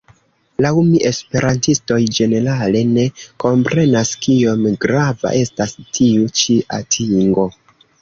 Laŭ mi esperantistoj ĝenerale ne komprenas kiom grava estas tiu ĉi atingo.